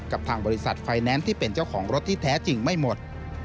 กับทางบริษัทไฟแนนซ์ที่เป็นเจ้าของรถที่แท้จริงไม่หมด